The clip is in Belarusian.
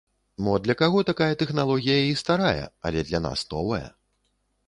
Мо, для каго такая тэхналогія і старая, але для нас новая.